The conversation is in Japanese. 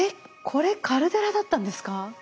これカルデラだったんですか？